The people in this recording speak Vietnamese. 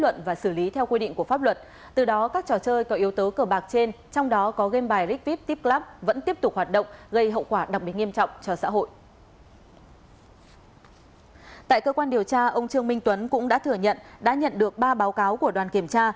tại cơ quan điều tra ông trương minh tuấn cũng đã thừa nhận đã nhận được ba báo cáo của đoàn kiểm tra